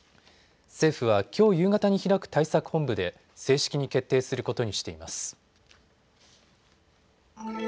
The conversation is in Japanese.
政府はきょう夕方に開く対策本部で正式に決定することにしています。